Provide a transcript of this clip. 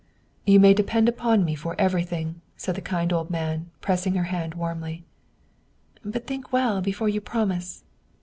" You may depend upon me for everything," said the kind old man, pressing her hand warmly. " But think well before you promise